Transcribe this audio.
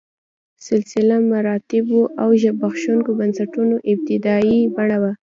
سلسله مراتبو او زبېښونکو بنسټونو ابتدايي بڼه وه.